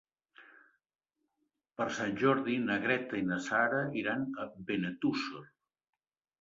Per Sant Jordi na Greta i na Sara iran a Benetússer.